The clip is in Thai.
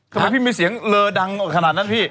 ทำไมพี่มีเสียงเลอดังขนาดนั้นพี่